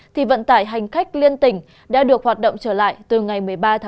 thì vận tải hành khách liên tỉnh đã được hoạt động trở lại từ ngày một mươi ba